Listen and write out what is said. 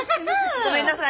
ごめんなさい。